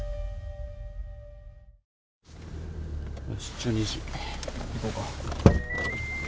１２時、行こうか。